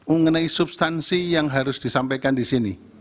mengenai substansi yang harus disampaikan di sini